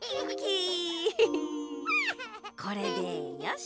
これでよし！